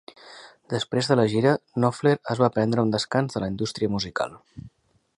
Després de la gira, Knopfler es va prendre un descans de la indústria musical.